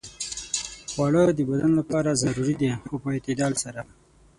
خوږه د بدن لپاره ضروري ده، خو په اعتدال سره.